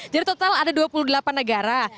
jadi total ada dua puluh delapan negara